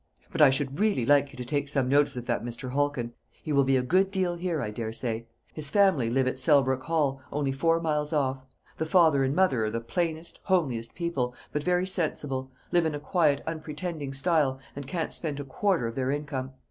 But I should really like you to take some notice of that Mr. Halkin. He will be a good deal here, I daresay. His family live at Selbrook Hall, only four miles off. The father and mother are the plainest, homeliest people, but very sensible; live in a quiet unpretending style, and can't spend a quarter of their income.